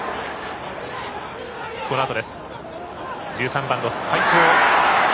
１３番の齊藤。